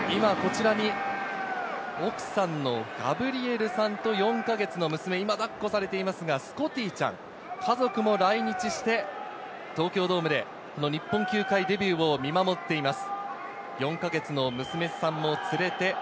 グリフィンですが、今こちらに奥さんのガブリエルさんと、４か月の娘、抱っこされていますが、スコティちゃん、家族も来日して、東京ドームで日本球界デビューを見守っています。